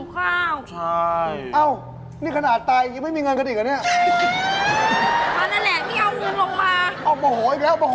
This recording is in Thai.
ครับเดี๋ยวเราตรวจน้ำไปให้แล้วครับ